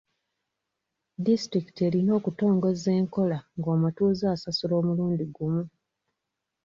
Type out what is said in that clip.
Disitulikiti erina okutongoza enkola ng'omutuuze asasula omulundi gumu.